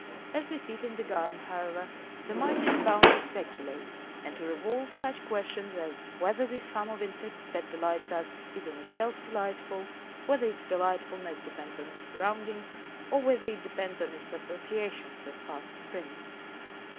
As we sit in the garden, however, the mind is bound to speculate, and to revolve such questions as whether this hum of insects that delights us is in itself delightful, whether its delightfulness depends on its surroundings, or whether it depends on its associations with past springs.